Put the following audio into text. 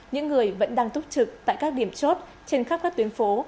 những người vẫn đang túc trực tại các điểm chốt trên khắp các tuyến phố